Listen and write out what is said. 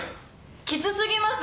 きつ過ぎます。